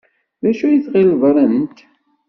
D acu ay tɣiled ran-t?